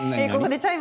チャイム